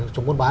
chống buôn bán